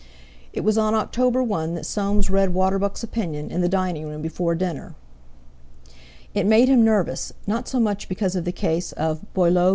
It was on October 1 that Soames read Waterbuck's opinion, in the dining room before dinner. It made him nervous; not so much because of the case of "Boileau v.